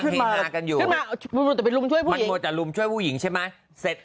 ขึ้นมากันอยู่ขึ้นมามันมันจะลุมช่วยผู้หญิงใช่ไหมเสร็จ